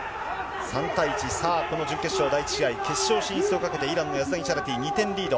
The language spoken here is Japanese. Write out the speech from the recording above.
３対１、この準決勝第１試合、決勝進出をかけて、イランのヤズダニチャラティ、２点リード。